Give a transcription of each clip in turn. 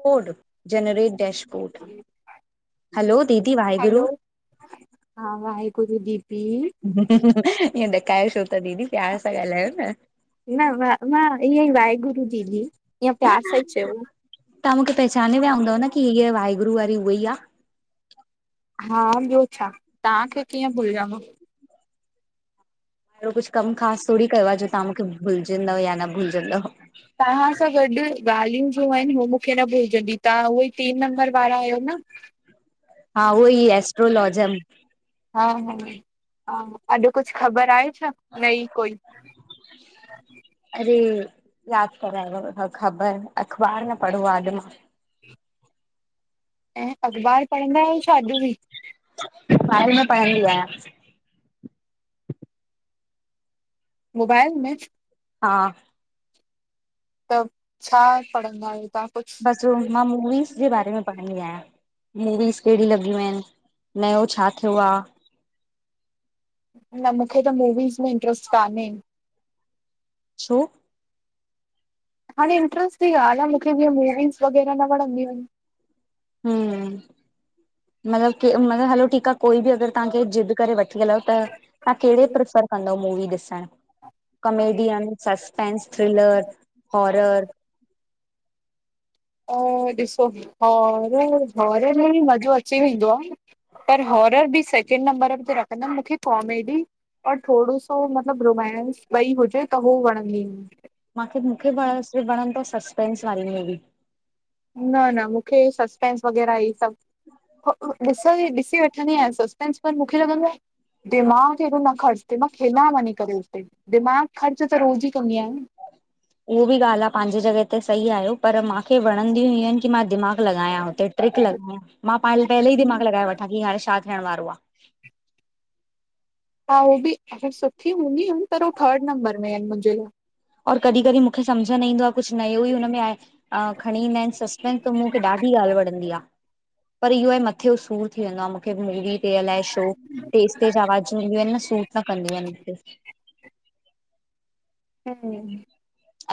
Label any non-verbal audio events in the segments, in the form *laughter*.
Code generate dashboard. Hello, हा। ताए को दी पी ईअं ॾकाए छो त दीदी प्यार सां ॻालायो न। न मां इ ईय वायेगुरू दीदी इअ प्यार सां ई चउो। तां मूंखे पहचाने वया हूंदव न की हीअ वाहेगुरु वारी उहा ई आ? हा ॿयो छा तांखे कीअं भुलॼदो। एड़ो कुझ कम ख़ास थोरी कयो आ ॼो तां मूंखे भुलजंदव या न भुलजंदव। तां सां गॾ ॻालियूं ॼो आयन हू मूंखे न भुलजंदी तां उह ई तीन नंबर वारा आयो न। हा उहो ई एस्ट्रोलॉजम। हा-हा, हा अॼ कुछ ख़बर आये छा नई कोई? ह अरे याद करायो ख़बर अख़बार न पढ़ो आ अॼ मां। ऐं अख़बार पढ़ंदा आयो छा अॼ ॿि? ॿारे में पढ़दी आंया। मोबाइल मे? हा त छा पढ़ंदा आयो तां? बस मां मूवीस जे बारे में पढ़ंदी आयां मूवीस केड़ी लॻयूं आयन नयो छा थयो आ? न मूंखे त मूवीज़ में इंट्र्स्ट कोने? छो? हाणे इंट्रस्ट ई ॻाल आ मूंखे जीअं मूवीस वग़ैरह न वणंदियूं आयन। हम मतलब क मतलब हलो ठीक आ कोई ॿि अगर तांखे ज़िद करे वठी हले त तां केड़े आहिनि प्रिफर कंदव मूवी ॾिसण अ कमेडीयन? Suspense, thriller, horror? अ ॾिसो हॉरर-हॉरर में ॿि मज़ो अची वेंदो आ। पर हॉरर ॿि सेकेंड नंबर ते रखंदम मूंखे कॉमेडी और थोरो सो मतलब रोमेंस ॿई हुजे त हो वणंदी हुंअ। मूंखे-मूंखे वण वणंदो सस्पेंस वारी मूवी। न-न मूंखे सस्पेंस वग़ैरह ई सॿ ॾिस अ ह ॾिसी वठंदी आयां सस्पेंस पर मूंखे लॻंदो आ दिमाग़ हेॾो न ख़र्च ते मां खेॾा वञी करे हुते दिमाग़ ख़र्च त रोज़ ई कंदी आयां न। उह ॿि ॻाल आ पांॼी जॻय ते सही आयो पर मूंखे वणंदियूं हुय आयन कि मां दिमाग़ लॻायां। ते ट्रिक लॻायां मां पहले ई दिमाग़ लॻाए वठां की हाणे छा थियण वारो आ। हा उय ॿि सुठी हूंदी आयन पर हू थर्ड नंबर में आयन मुंजे लाइ। और कॾि कॾि मूंखे सम्झ न ईंदो आ कुछ नयो ई हुन में आये। खणी ईंदा आयन सस्पेंस त मूंखे ॾाढी ॻाल वणंदी आ। पर इयो आ मथे ॼो सूर थी वेंदो आ मुखे मूवी अलाए शो तेज-तेज आवाजूं ईदियूं आयन सूट न कंदियूं आयन मुखे। हम्म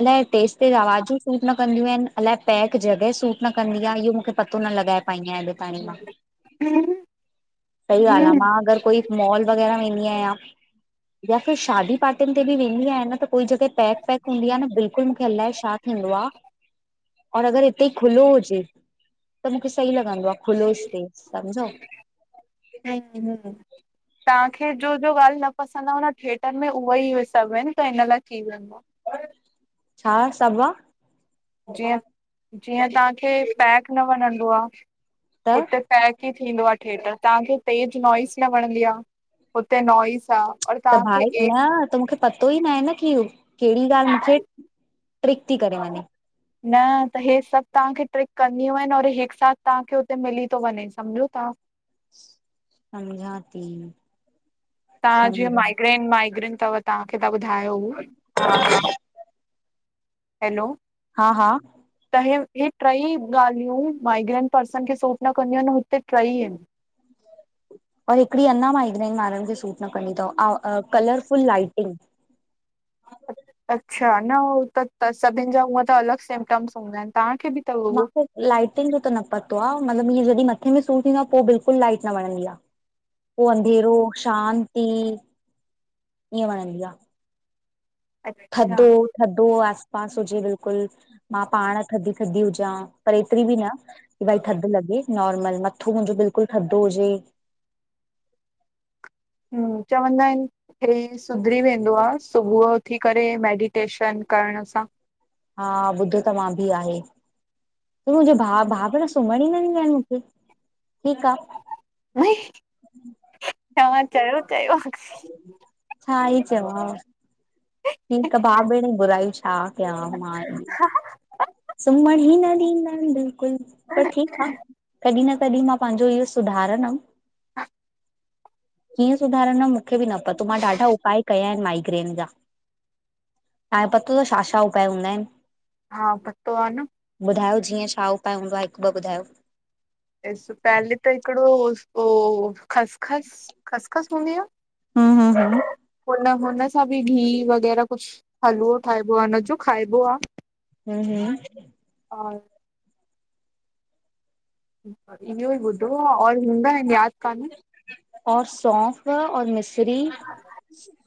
अलाए तेज़-तेज़ आवाजूं सूट न कंदियूं आयन अलाए पैक जॻह सूट न कंदी आ इयो मूंखे पतो न लॻाए पाईं थीं आयां अॼ ताईं मां। हम। सही ॻाल आ मां अगर कोई मॉल वग़ैरह वेंदी आयां। या फिर शादी पार्टियुन ते ॿि वेंदी आया न त कोई जॻह पैक-वैक हूंदी आ न बिल्कुलु मुखे अलाए छा थींदो आ और अगर हिते ई खुलो हुजे त मूंखे सही लॻंदो आह खुलो स्पेस समुझो। *unintelligible* तव्हांखे जो ॼो ॻाल्हि न पसंद आहे न थिएटर में उहे ई सभु आहिनि त इन लाइ थी वेंदो आ। छा सभ आह। जीअं, जीअं तव्हांखे पैक न वणंदो आह, त हुते पैक ही थींदो आह थिएटर, तव्हांखे तेज नॉइज़ न वणंदी आह, हुते नॉइस आह त भाई न त मूंखे पतो ई न आहे न की कहिॾी ॻाल्हि मूंखे ट्रिक थी करे वञे। न त हे सभु तव्हांखे ट्रिक करनुयूं आहिनि और हिकु साथ तव्हांखे हुते मिली थो वञे समुझो ता। समझा ती। तव्हां जीअं माइग्रेन, माइग्रेन थव तव्हांखे त ॿुधायो हू हा हैलो हा त, हे हे टई ॻाल्हियूं माइग्रेंन पर्सन खे सूट न कंदियू आहिन हुते टई आहिन। और हिकिॾी अञा माइग्रइन वारनि खे सूट न कंदी थव कलरफुल लाइटिंग अच्छा न हू त सभिनि जा हूअं त सभीन जा अलॻि सिमटम्स हूंदा आहिनि तव्हांखे बि त उह? लाइटिन जो त न पतो आह मतिलबु इअं जॾहिं मथे में सूर थींदो आह, पोइ बिल्कुलु लाइट न वणंदी आह। पोइ अंधेरो शांती ईअं वणंदी आह। अच्छा थधो, थधो आस पास हुजे बिल्कुलु मां पाण। थधी थधी हुजां पर एतिरी बि न की भाई थध लॻे। नॉर्मल, मथो मुंहिंजो बिल्कुलु थधो हुजे। हु, चवंदा आन। हे सुधरी वेंदो आह, सुबुह उथी करे मेडिटेशन करण सां। हा ॿुधो त मां बि आहे। तूं मुंहिंजे भाउ, भाउ, भेण सुम्हण ई नंदी आहिनि मूंखे ठीकु आह। मई, तवा चयो, चयो। छा ई चवा, ठीक आह भाउ भेण बुराई छा कयां, मां ई। सुम्हण ही न ॾिन्दा आहिंन बिल्कुलु। पर ठीकु आह। कॾहिं न कॾहिं मां पंहिंजो इहो सुधारंदम। कीअं सुधारण मूंखे बि न पतो, मां ॾाढा उपाय कया आहिन माइग्रेन जा। तां ये पतो त छा छा उपाय हूंदा आहिन। हा पतो आह न। ॿुधायो जीअं छा उपाय हूंदो आह, हिकु ॿ ॿुधायो? ॾिस पहले त हिकिॾो उ ओ ख़सखस, ख़सखस हूंदी आह। हा हा हा। हुन हुन सां बि घिह वग़ैरह कुझु हलवो ठाहिबो आह हुन जो खाइबो आह। *unintelligible* *unintelligible* इहो भी *unintelligible* यादि कान। और सौंफ़ और मिस्री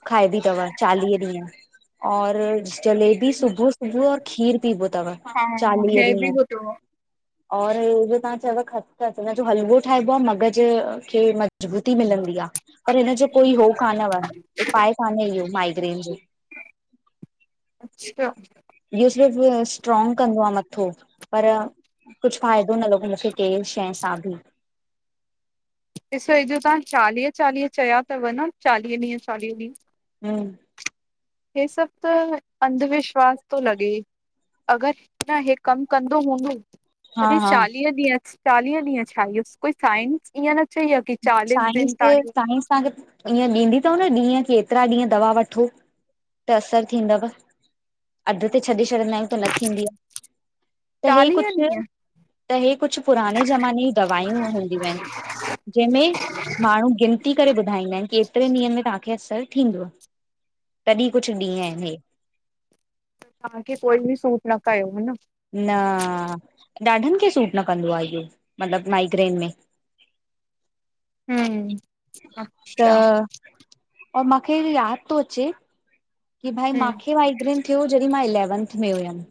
खाइबी थव चालीह ॾींहं। और जलेबी सुबु सुबुह और खीर पीबो थव हा चालीह ॾींहं। *unintelligible* और तव्हां च खच जो हलको ठाहिबो आह मगज खे मजबूती मिलंदी आह, पर हिन जो कोई हो कानव उपाय कान्हे इहो माइग्रेन जो। अच्छा। इहो सिर्फ़ स्ट्रॉग कंदो आ मथो पर कुझु फ़ाइदो न लॻो मूंखे कंहिं शइ सां बि ॾिसो हे, जो तव्हां चालीह चालीह चया अथव न, चालीह ॾीहं चालीह ॾीहं। *inaudible* हे सभु त अंधविश्वास तो लॻे। अगरि, न हे कमु कंदो हूंदो। हा तॾी हा चालीह ॾीहं चालीह ॾीहं छाजों साइंस ईअं न चई आ। साईस, साईस तव्हांखे ईअं ॾींदी अथव न ॾींहं की एतिरा ॾींहं दवा वठो? त असर थींदव, अध ते छॾे छॾंदा आहियूं त न थींदी आ। त हे चालीह कुछु, ॾींहं त हे कुछु, पुराने ज़माने दवााइयूं हूंदियूं आहिनि। जंहिंमें माण्हू गिनती करे ॿुधाईंदा आहिनि की एतिरे ॾींहंनि में तव्हांखे असरु थींदो। तॾहिं कुछु ॾींहं आहिनि हे। तव्हांखे कोई बि सूट न कयो ह, न? न, अ ॾाढनि खे सूट न कंदो आहे इहो, मतिलबु माइग्रेन में। *inaudible* हम त अच्छा। और मूंखे यादि थो अचे। की भाई हम्म मांखे माइग्रेन थियो, जॾहिं मां इलैवंथ में हुयमि।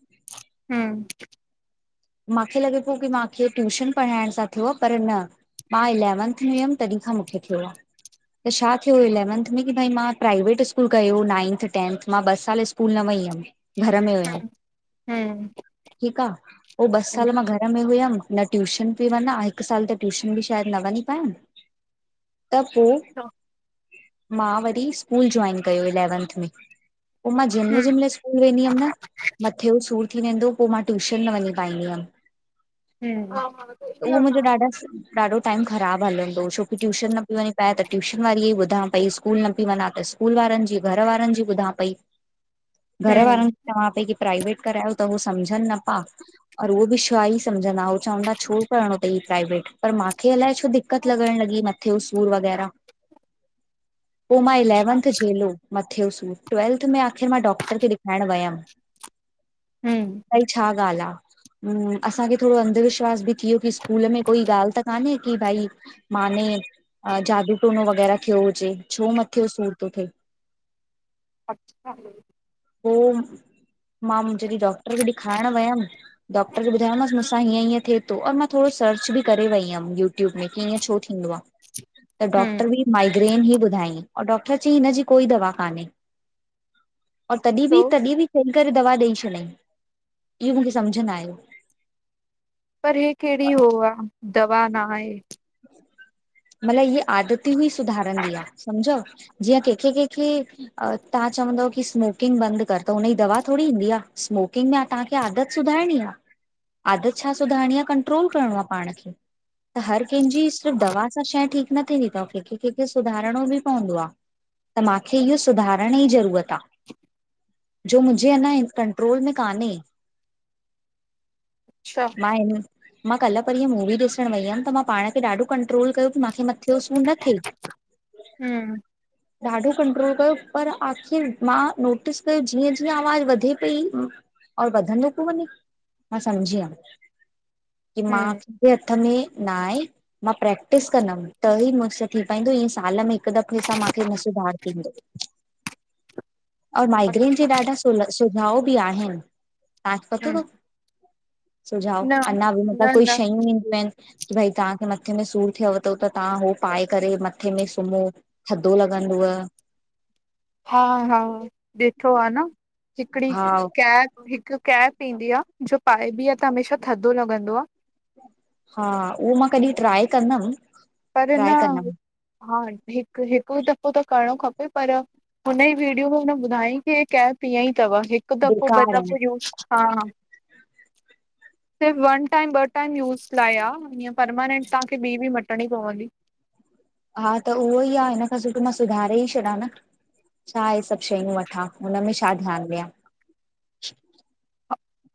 हम। मांखे लॻे पियो की मांखे ट्यूशन पढ़ाइण सां थियो पर न। मां इलैवंथ में हुयमि तॾहिं खां मूंखे थियो आ। त छा थियो इलैवंथ में की भई मां प्राइवेट स्कूल कयो, नाइंथ, टेंथ, मां ॿ साल स्कूल स्कुल न वई हुयमि, घर में हुयमि, हम्म ठीकु आ। पोइ ॿ हम्म हम्म साल मां घर में हुयमि! न ट्यूशन पई वञा, हिकु साल त ट्यूशन बि शायदि न वञी पाइमि। *inaudible* त पो, मां वरी स्कूल जॉइन कयो इलेवंथ में। पो मां जंहिं मईल- जंहिं मईल स्कूल वेंदी हुअमि न मथे जो सूर थी वेंदो होे, पो मां टयूशन न वञीदीम। पाईंदम। हमम्। हा मुंहिंजो ॾाढा *unintelligible* ॾाढो टाइम ख़राबु हलंदो, छोकी ट्यूशन न पई वञी पाए त ट्यूशन वारीअ ई ॿुधा पई, स्कूल न पई वञा त स्कूल वारनि जी, घर वारनि जी ॿुधा पई। घर हम्म वारनि चवां पई की प्राइवेट करायो त ऊह सम्झनि न पा। और उहो बि छा ई समझंदा, उ चवंदा छो करणो तई प्राइवेट, पर मांखे अलाए छ दिक़त लॻण लॻी मथे जो सूर वग़ैरह, पो मां इलेवंथ झेलो मथेयो सूरु ट्वेल्थ में, आख़िर मां डॉक्टर खे ॾेखारण वियमि। हम्म भई छा ॻाल्हि आ। असांखे थोड़ो अंधविश्वास बि थि वियो कि स्कूल में कोई ॻाल्हि त कान्हे की भई मां ने, जादू, टोनो वगैरा थियो हुजे, छो मथे सूर थो थिए। *unintelligible* अच्छा। पोइ मां, मा जॾहिं डॉक्टर खे ॾेखारण वयमि डॉक्टर ॿुधायो मांस मूं सां हीअं, हीअं थिए थो, और मां थोड़ो सर्च बि करे वई हुअमि यू ट्यूब में, कि इंअं छो थियो? थींदो आ। त हम्म डॉक्टर बि माइग्रेन ई ॿुधायईं। और डॉक्टर चईं हिनजी कोई दवा कान्हे। और तॾहिं बि, छो तॾहिं बि चैक करे दवा ॾेई छॾियईं, इहो मूंखे समुझ न आयो। पर हे कहिड़ी उ आ, दवा न आहे। मतलब इ आदती हुई सुधारंदी आ, समझो। जीअं केंखे- केंखे तव्हां चवंदव की स्मोकिंग बंद कर त हुनजी दवा थोड़ी ईंदी आ, स्मोकिंग में तव्हां इया आदत सुधारणी आ! आदत छा सुधारणी आ, कंट्रोल करणो आहे पाण खे त हर कंहिंजी सिर्फ़ु दवा सां शइ ठीक न थींदी थव, कंहिंखे- कंहिंखे सुधारणो बि पवंदो आ। त मां खे इहो सुधारण जी ज़रूरत आ। जो मुन्जे अञ कंट्रोल में कान्हे। अच्छा मां, हिन, मां कल्ह परीहं मूवी ॾिसण वई हुअमि त मां पाण खें कंट्रोल कयो की मां कि मथे जों सूर न थिये। हम्म ॾाढो कंट्रोल कयो, पर आख़िर मां नोटिस कयो जीअं- जीअं आवाज़ वधे पई और वधंदो पो वञे, मां समझी वयम। की मां हम्म पीउे जे हथ में ना आहे। मां प्रैक्टिस कंदमि त ही मूंसां थी पाइंदो, ईअं साल में हिकु दफ़े सां मूंखे न सुधारु थींदो। *unintelligible* और माइग्रेन जा अच्छा ॾाढा सुल सुझाव बि आहिनि, तव्हांखे पतो हम्म त सुझाव न अञा बि मतलब न कोई न शयूं ईंदियूं आहिनि की भई तव्हां मथे में सूर थियव त हु त तव्हां हो पाए करे मथे में सुम्हो, थधो लॻंदव। हा- हा ॾिठो आ न हिकड़ी हा कैप हिकु कैप पींदी आ, जो पाए बि आहे त हमेशा थदो लॻंदो आ। हा उहो मां कॾहिं ट्राए कंदमि। पर न ट्राए कंदमि हा हिकु, हिकु दफ़ो त करणो खपे पर हुन ई वीडियो में हुन ॿुधाईं की कैप इअं ई थव हिकु दफ़ो ॿ बेकार आहिनि दफ़ो यूस हा- हा। *unintelligible* सिर्फ वन टाइम ब टाइम यूज़ लाइ आ, ईअं परमानेंट तव्हांखे बि -बि मटणी पवंदी। हा त उहो ई आ, हिन खां सुठो मां सुधारे ई छॾियां न। छा इहे सभु शयूं वठां हुनमें छा ध्यानु ॾियां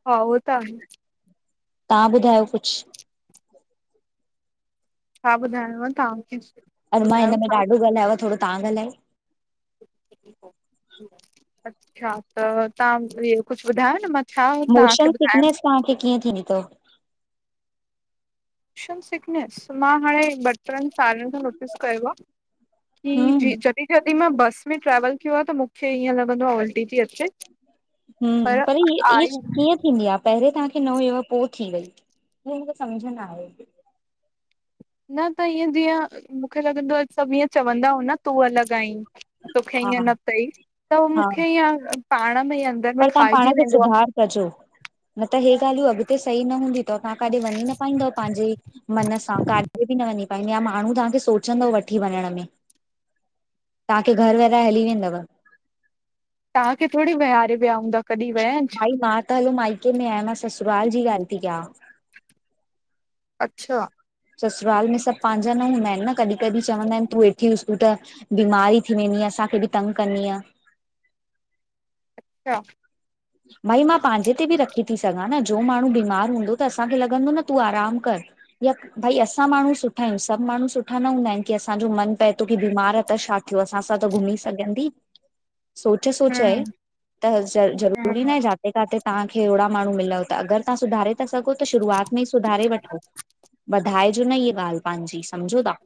हा हो त आहे तव्हां ॿुधायो कुझु? छा ॿुधायांव तव्हांखे अॼु मां हिन ॿुधायो में छा? ॾाढो ॻाल्हायो आ थोरो तव्हांॻाल्हायो अच्छा त तव्हां इह कुझु ॿुधायो न मां छा तव्हांखे मोशन ॿुधायां सिकनेस तव्हांखे कीअं थींदी थव शम सीकनेस मां हाणे ॿ ट्रनि साड़ियनि खां नोटिस कयो आह कि हम्म जी जॾहिं जयॾहिं मां बस में ट्रैवल कयो आहे त मूंखे ईअं लॻंदो आहे उल्टी थी अचे हम्म पर इअं इज कीअं थींदी आहे पहिरे तव्हांखे न हुयो पोइ थी वई हू मूंखे समुझ न आये न त इअं जीअं मूंखे लॻंदो आ सॿ इअं चवंदा हु न तूं अलॻि आहीं तोखे हा ईअं न त ई त हा मूंखे ईअ पाण में ई अंदर में पर तव्हां पाण खाइजी खे वेंदो आहे सुधार कजो न त हे ॻाल्हियूं अॻितेही न सही न हूंदीूयूं त तव्हां काॾे वञी न पाईंदव पंहिंजे मन सां काॾे बि न वञी पाईंदी माण्हू तव्हांखे सोचंदो वठी वञण में तव्हांखे घर वेहिराए हली वेंदव तहांखे थोॾो वेहारे वया हूंदा? कॾहिं विया आहिनि छा भाई मां त हलो माइके में आहियां मां ससुराल जी ॻाल्हि थी कयां। अच्छा। ससुराल में सभु पंहिंजा न हूंदा आहिनि न कॾहिं -कॾहिं चवंदा आहिनि तूं वेठी हु त बीमारी थी वेंदी आहे असांखे बि तंग कंदीय। *inaudible* भई मां पंहिंजे ते बि रखी थी सघां न जो माण्हू बीमार हूंदो त असांखे लॻंदो न तूं आराम कर। या भई असां माण्हू सुठा आहियूं सभु माण्हू सुठा न हूंदा आहिनि की असांजो मन पए थो की बीमार आहे त छा यो असां सां त घुमी सघंदी सोच -सोच हम्म आहे त ज़रूरु हम्म जाथे किथेतहांखे अहिड़ा माण्हू मिलव त अगर तवां सुधारे था सघो त शुरूआत में ई सुधारे वठो वधाइजो न इहा ॻाल्हि पंहिंजी समझो था।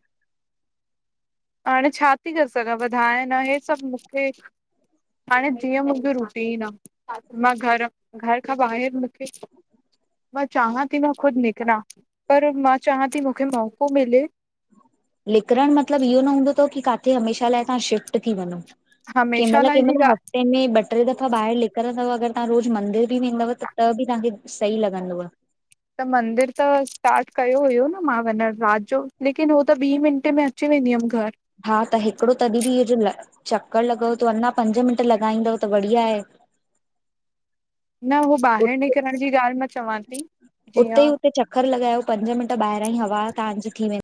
हाणे छा थी करे सघां वधाए न हे सभु मूंखे हाणे जीअं मूंखे रुटी ई न आ। हा मां घर घर खां ॿाहिरि मूंखे मां चाहियां थी मां खुदि निकिरां। पर मां चाहियां थी मूंखे मौको मिले। निकिरण मतिलब इहो न हूंदो अव की काथे हमेशाह लाइ तहां शिफ्ट थी वञो। हमेशह कंमल लाइ जी केमल ॻाल्हि हफ़्ते में बट टे दफ़ा ॿाहिर निकरंदव अगर तव्हां रोज़ मंदिर बि वेंदव त बि तव्हांखे सही लॻंदव। जी त मंदिर त स्टाट कयो हुयो न मां वञा रात जो लेकिन उो त ॿीं मिंटे में अची वेंदी हुयम घर हा त हिकिड़ो तॾहिं बि इहो जो चक्कर लॻो त अञा पंज मिंट लॻाईंदव त बढ़िया आहे। न हू ॿाहिरि उते निकिरण जी ॻाल्हि मां चवां थी। उते ई जीअं उते चक्कर लॻायो पंज मिंट ॿाहिरां जी हवा तहांजी थी वेंदी।